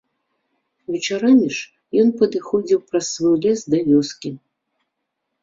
Вечарамі ж ён падыходзіў праз свой лес да вёскі.